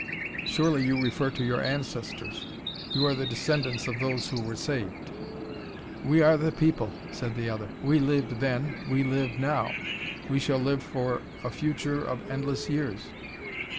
Surely you refer to your ancestors; you are the descendants of those who were saved." "We are the people," said the other. "We lived then; we live now; we shall live for a future of endless years.